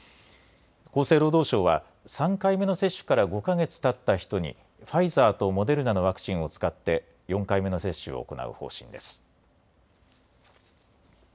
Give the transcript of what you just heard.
厚生労働省は３回目の接種から５か月たった人にファイザーとモデルナのワクチンを使って４回目の接種を行う方針です。